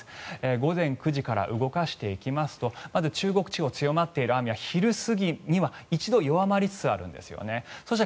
午前９時から動かしていきますとまず中国地方強まっている雨は昼過ぎには一度弱まりつつあるんですね。